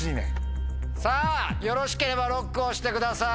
さぁよろしければＬＯＣＫを押してください。